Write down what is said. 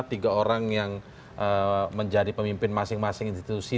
tiga orang yang menjadi pemimpin masing masing institusi